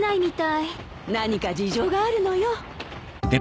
何か事情があるのよ。